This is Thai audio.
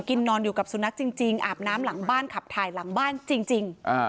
นอนอยู่กับสุนัขจริงอาบน้ำหลังบ้านขับถ่ายหลังบ้านจริง